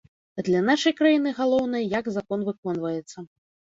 А для нашай краіны галоўнае, як закон выконваецца.